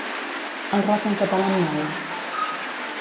El rock en català em mola.